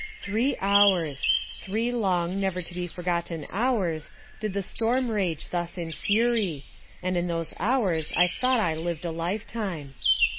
Three hours three long, never to be forgotten hours did the storm rage thus in fury, and in those hours I thought I lived a life time!